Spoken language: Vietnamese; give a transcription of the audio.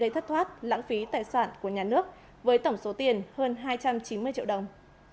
gây thất thoát lãng phí tài sản của nhà nước với tổng số tiền hơn hai trăm chín mươi triệu đồng